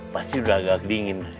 pasti udah agak dingin